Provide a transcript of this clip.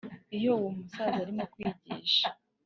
iyo uwo umusaza arimo kwigisha,